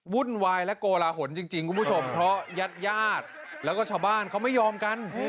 วุ่นวายและโกลาหลจริงคุณผู้ชมเพราะญาติญาติแล้วก็ชาวบ้านเขาไม่ยอมกัน